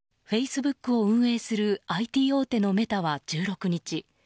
フェイスブックを運営するＩＴ大手のメタは１６日